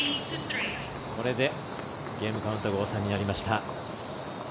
これでゲームカウント５−３になりました。